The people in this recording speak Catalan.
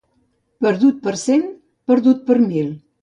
Perdut per cent, perdut per mil.